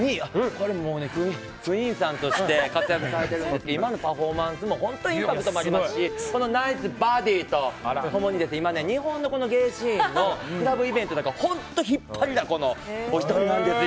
これ、クイーンさんとして活躍されてるんですけど今のパフォーマンスも本当にインパクトありますしこのナイスバディーと共に今、日本のゲイシーンのクラブイベントなんかに本当に引っ張りだこのお人なんです。